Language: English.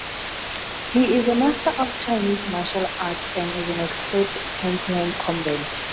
He is a master of Chinese martial arts, and is an expert hand-to-hand combatant.